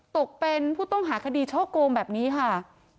ตกเป็นผู้ต้องหาคดีช่อโกงแบบนี้ค่ะ